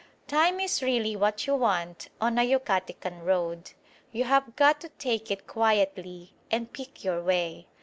Time is really what you want on a Yucatecan road. You have got to take it quietly and pick your way.